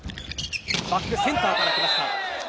バックセンターから来ました。